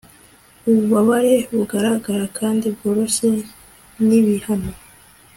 Ububabare bugaragara kandi bworoshye nibihano